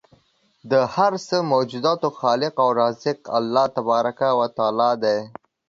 د هر څه موجوداتو خالق او رازق الله تبارک و تعالی دی